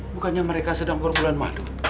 bukannya mereka sedang berbulan madu